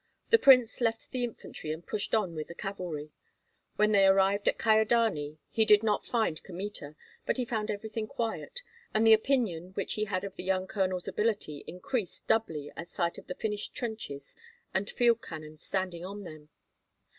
The prince left the infantry, and pushed on with the cavalry. When he arrived at Kyedani he did not find Kmita, but he found everything quiet; and the opinion which he had of the young colonel's ability increased doubly at sight of the finished trenches and field cannon standing on them.